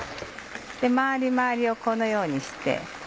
周り周りをこのようにして。